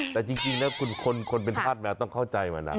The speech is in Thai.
แต่จริงนะคนเป็นธาตุแมวต้องเข้าใจมันนะ